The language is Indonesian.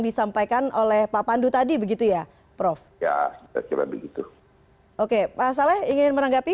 disampaikan oleh pak pandu tadi begitu ya prof ya kira kira begitu oke pak saleh ingin menanggapi